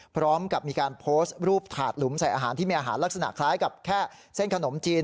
พร้อมกับมีการโพสต์รูปถาดหลุมใส่อาหารที่มีอาหารลักษณะคล้ายกับแค่เส้นขนมจีน